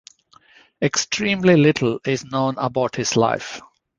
Extremely little is known about his life.